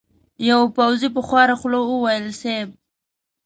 يوه پوځي په خواره خوله وويل: صېب!